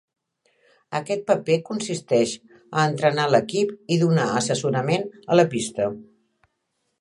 Aquest paper consisteix a entrenar l'equip i donar assessorament a la pista.